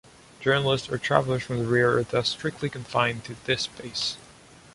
Journalists or travelers from the rear are thus strictly confined to this space.